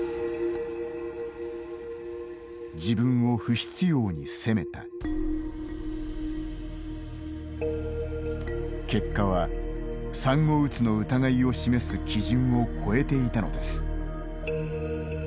「自分を不必要に責めた」結果は、産後うつの疑いを示す基準を超えていたのです。